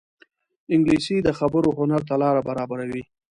انګلیسي د خبرو هنر ته لاره برابروي